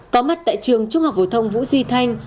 có mặt tại trường trung học phổ thông vũ duy thanh